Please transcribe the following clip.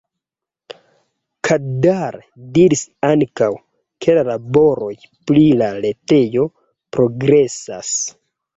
Kadar diris ankaŭ, ke la laboroj pri la retejo progresas.